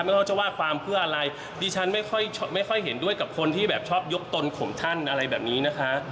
ไม่ว่าจะว่าความเพื่ออะไรดิฉันไม่ค่อยเห็นด้วยกับคนที่แบบชอบยกตนของท่านอะไรแบบนี้นะคะ